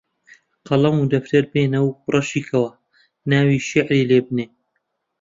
قەڵەم و دەفتەر بێنە و ڕەشی کەوە ناوی شیعری لێ بنێ